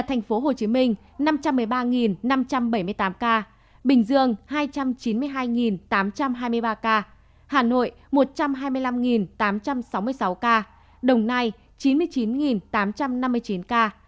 tp hcm năm trăm một mươi ba năm trăm bảy mươi tám ca bình dương hai trăm chín mươi hai tám trăm hai mươi ba ca hà nội một trăm hai mươi năm tám trăm sáu mươi sáu ca đồng nai chín mươi chín tám trăm năm mươi chín ca tây ninh tám mươi bảy chín trăm sáu mươi hai ca